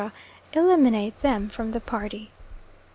eliminate them from the party.